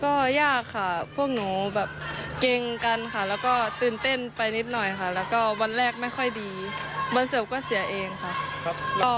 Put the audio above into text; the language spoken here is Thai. ก็ยากค่ะพวกหนูแบบเกรงกันค่ะแล้วก็ตื่นเต้นไปนิดหน่อยค่ะแล้วก็วันแรกไม่ค่อยดีวันเสิร์ฟก็เสียเองค่ะ